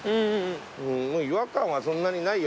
違和感はそんなにないよ。